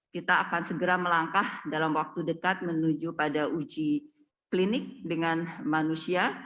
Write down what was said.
kita akan segera melangkah dalam waktu dekat menuju pada uji klinik dengan manusia